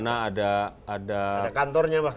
ada kantornya bahkan